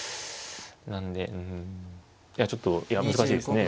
なんでうんいやちょっと難しいですね